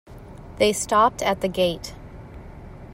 They stopped at the gate.